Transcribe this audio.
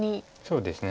そうですね。